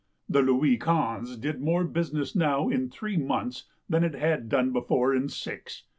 The Louis Ouinze did m^ore business now in three months than it had done before in six.